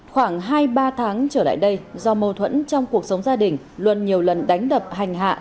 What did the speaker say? khoảng hai ba tháng trở lại đây do mâu thuẫn trong cuộc sống gia đình luân nhiều lần đánh đập hành hạ